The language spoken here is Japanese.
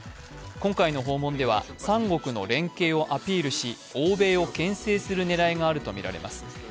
今回の訪問では三国の連携をアピールし欧米をけん制する狙いがあるとみられます。